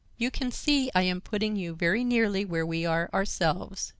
"You can see I am putting you very nearly where we are ourselves.